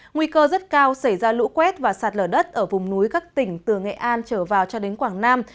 nguy cơ rất cao xảy ra lũ quét và sạt lở đất ở vùng núi các tỉnh từ nghệ an trở vào cho đến quảng nam